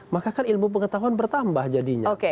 maka kan ilmu pengetahuan bertambah jadinya